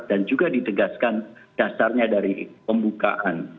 dan juga ditegaskan dasarnya dari pembukaan